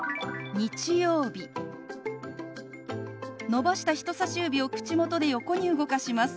伸ばした人さし指を口元で横に動かします。